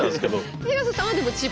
広瀬さんはでも千葉？